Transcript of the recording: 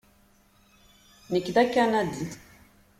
Nekk d Akanadi.